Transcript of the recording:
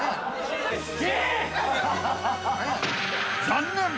［残念！